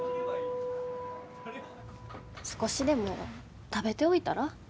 少しでも食べておいたら？